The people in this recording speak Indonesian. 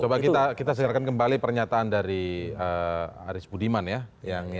coba kita serahkan kembali pernyataan dari arief budiman ya